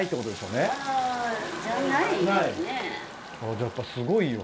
じゃあやっぱすごいよ。